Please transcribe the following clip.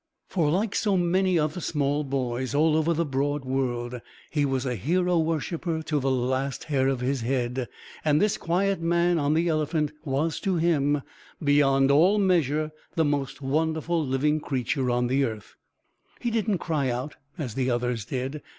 For like many other small boys, all over the broad world, he was a hero worshipper to the last hair of his head; and this quiet man on the elephant was to him beyond all measure the most wonderful living creature on the earth. He didn't cry out, as the others did.